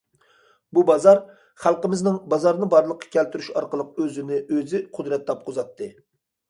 بۇ بازار خەلقىمىزنىڭ بازارنى بارلىققا كەلتۈرۈش ئارقىلىق ئۆزىنى ئۆزى قۇدرەت تاپقۇزاتتى.